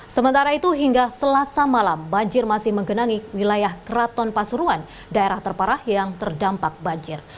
sementara itu hingga selasa malam banjir masih menggenangi wilayah keraton pasuruan daerah terparah yang terdampak banjir